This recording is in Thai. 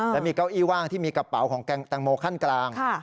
และมีเก้าอี้ว่างที่มีกระเป๋าของแตงโมขั้นกลาง